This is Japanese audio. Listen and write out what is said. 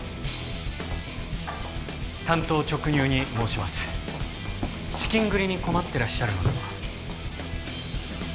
単刀直入に申します資金繰りに困ってらっしゃるのでは？